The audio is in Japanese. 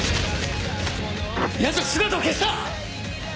ヤツは姿を消した！